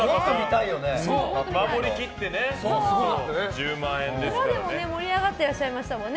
守り切って裏でも盛り上がっていらっしゃいましたもんね。